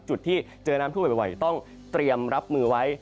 จุดที่เจอน้ำท่วมบ่อยต้องเตรียมรับมือไว้